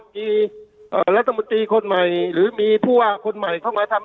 อิขนาดเอ่อรัฐมุติคนใหม่หรือมีผู้ว่าคนใหม่เข้ามาทำ